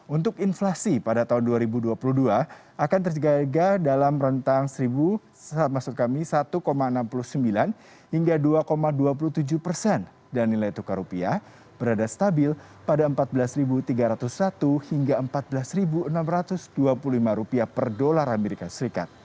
untuk inflasi pada tahun dua ribu dua puluh dua akan terjaga dalam rentang satu maksud kami satu enam puluh sembilan hingga dua dua puluh tujuh persen dan nilai tukar rupiah berada stabil pada empat belas tiga ratus satu hingga empat belas enam ratus dua puluh lima per dolar as